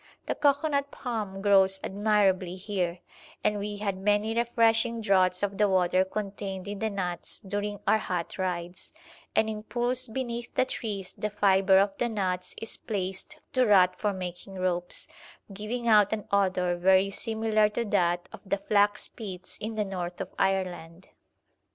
The cocoanut palm grows admirably here, and we had many refreshing draughts of the water contained in the nuts during our hot rides; and in pools beneath the trees the fibre of the nuts is placed to rot for making ropes, giving out an odour very similar to that of the flax pits in the north of Ireland.